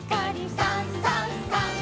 「さんさんさん」